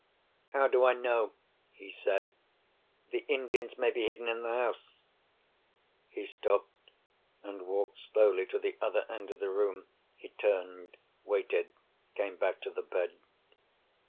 "How do I know?" he said. "The Indians may be hidden in the house." He stopped, and walked slowly to the other end of the room. He turned—waited—came back to the bed.